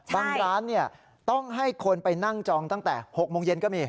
บางร้านต้องให้คนไปนั่งจองตั้งแต่๖โมงเย็นก็มี